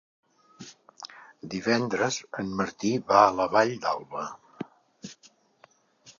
Divendres en Martí va a la Vall d'Alba.